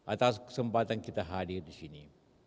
atas kesempatan kita hadir di sini